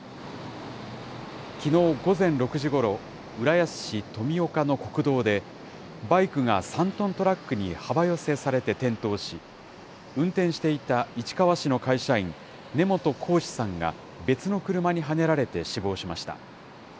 きのう午前６時ごろ、浦安市富岡の国道で、バイクが３トントラックに幅寄せされて転倒し、運転していた市川市の会社員、根本光士さんが別の車にはねられて死亡しました。